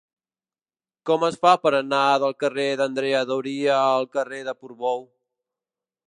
Com es fa per anar del carrer d'Andrea Doria al carrer de Portbou?